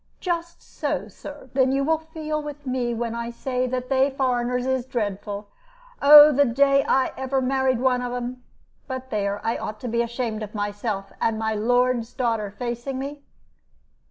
"Just so, Sir. Then you will feel with me when I say that they foreigners is dreadful. Oh, the day that I ever married one of 'em but there, I ought to be ashamed of myself, and my lord's daughter facing me."